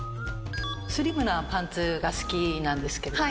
スリムなパンツが好きなんですけども。